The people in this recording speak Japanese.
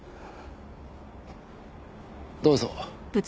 どうぞ。